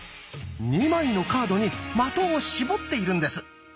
２枚のカードに的を絞っているんです。